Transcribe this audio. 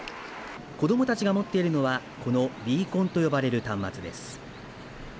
子どもたちが持っているのはこのビーコンと呼ばれる端末です。